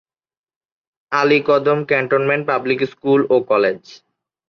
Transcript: Alikadam cantonment public school ও college